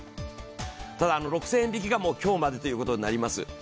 ただ６０００円引きが今日までということになります。